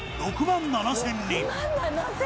「６万７０００人？」